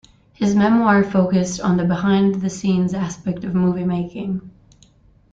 His memoir focused on the behind the scenes aspect of moviemaking.